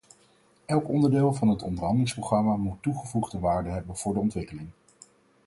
Elk onderdeel van het onderhandelingsprogramma moet toegevoegde waarde hebben voor de ontwikkeling.